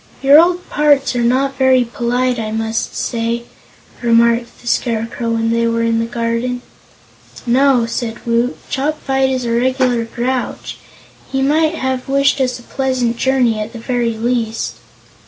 "Your old parts are not very polite, I must say," remarked the Scarecrow, when they were in the garden. "No," said Woot, "Chopfyt is a regular grouch. He might have wished us a pleasant journey, at the very least."